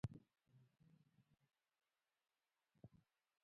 د اوبو منابع د ژوند اساس دي.